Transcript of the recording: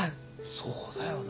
そうだよな。